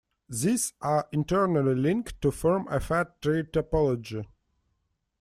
These are internally linked to form a fat tree topology.